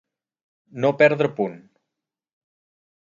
No perdre punt.